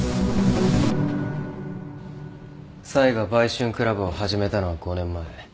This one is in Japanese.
サイが売春クラブを始めたのは５年前。